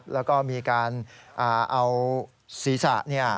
แล้วก็มีการเอาศีรษะ